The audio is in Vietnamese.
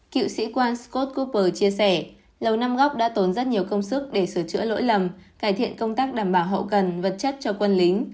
cựu sĩ quan scott gopper chia sẻ lầu năm góc đã tốn rất nhiều công sức để sửa chữa lỗi lầm cải thiện công tác đảm bảo hậu cần vật chất cho quân lính